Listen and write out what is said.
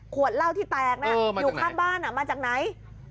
เหล้าที่แตกอยู่ข้างบ้านมาจากไหน